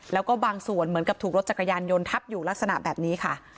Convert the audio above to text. แล้วก็บางส่วนเหมือนกับถูกรถจักรยานยนต์ทับอยู่ลักษณะแบบนี้ค่ะ